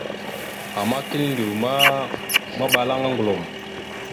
Ama kiləndew maɓala ma, ŋgəlom.